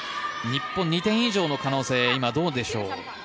日本、２点以上の可能性は今、どうでしょう？